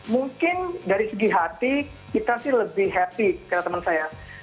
mungkin dari segi hati kita sih lebih happy kata teman saya